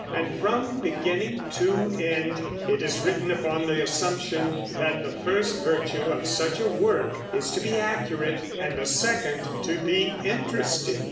And from beginning to end it is written upon the assumption that the first virtue of such a work is to be accurate, and the second to be interesting.